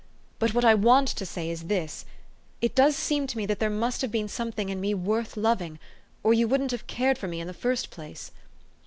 But what I want to say is this, It does seem to me that there must have been something in me worth loving, or you wouldn't have cared for me in the first place.